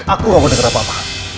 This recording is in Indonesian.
aku gak mau denger apa apa